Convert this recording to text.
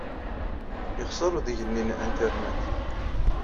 Yexṣer udeg-nni n Internet.